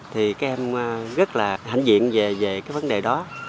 thì các em rất là hạnh diện về vấn đề đó